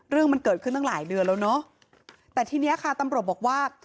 เรื่องมันเกิดขึ้นตั้งหลายเดือนแล้วเนอะแต่ทีเนี้ยค่ะตำรวจบอกว่า